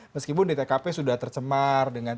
meskipun di tkp sudah tercemar dengan